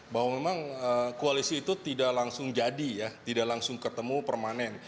bahwa memang koalisi itu tidak langsung jadi ya tidak langsung ketemu permanen